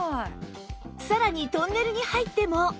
さらにトンネルに入っても